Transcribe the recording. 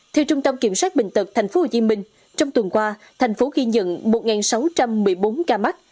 theo trung tâm kiểm soát bệnh tật thành phố hồ chí minh trong tuần qua thành phố ghi nhận một sáu trăm một mươi bốn ca mắc